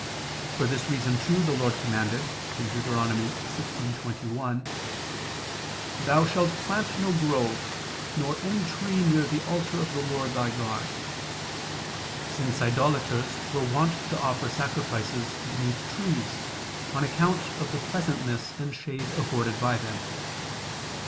For this reason, too, the Lord commanded (Deut. 16:21): "Thou shalt plant no grove, nor any tree near the altar of the Lord thy God": since idolaters were wont to offer sacrifices beneath trees, on account of the pleasantness and shade afforded by them.